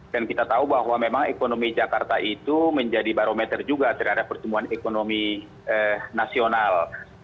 dan kita tahu bahwa memang ekonomi jakarta itu menjadi barometer juga terhadap pertumbuhan ekonomi nasional